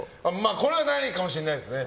これはないかもしれないですね。